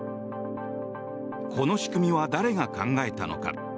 この仕組みは誰が考えたのか。